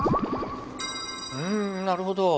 うんなるほど。